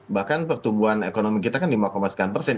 bahkan pertumbuhan ekonomi kita kan lima sekian persen